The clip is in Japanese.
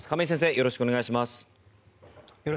よろしくお願いします。